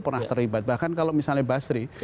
pernah terlibat bahkan kalau misalnya basri